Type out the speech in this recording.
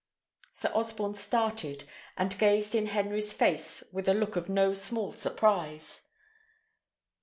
Sir Osborne started, and gazed in Henry's face with a look of no small surprise.